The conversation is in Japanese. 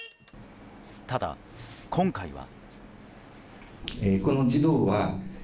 ただ、今回は。